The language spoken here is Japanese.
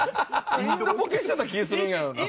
インドボケしてた気ぃするんやよな。